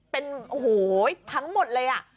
เป็นโอ้โหทั้งหมดเลยอ่ะ